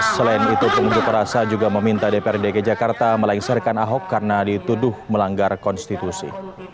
selain itu pengunjung rasa juga meminta dprd ke jakarta melangsirkan ahok karena dituduh melanggar konstitusi